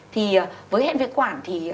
thì với hen phế quản thì